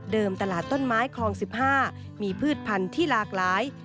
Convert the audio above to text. ตลาดต้นไม้คลอง๑๕มีพืชพันธุ์ที่หลากหลาย